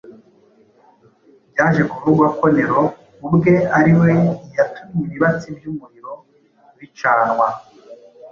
Byaje kuvugwa ko Nero ubwe ari we yatumye ibibatsi by’umuriro bicanwa